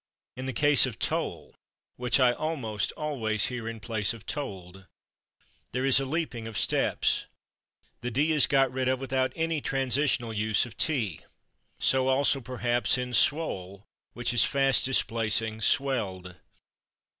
In the case of /tole/, which I almost always hear in place of /told/, there is a leaping of steps. The /d/ is got rid of without any transitional use of /t/. So also, perhaps, in /swole/, which is fast displacing /swelled